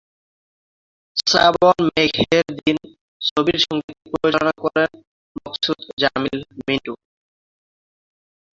শ্রাবণ মেঘের দিন ছবির সংগীত পরিচালনা করেন মকসুদ জামিল মিন্টু।